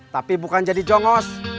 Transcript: tapi bukan jadi jongos